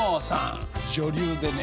女流でね